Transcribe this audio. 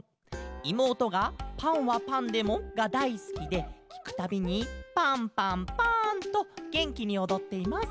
「いもうとが『パンはパンでも！？』がだいすきできくたびに『パンパンパン』とげんきにおどっています。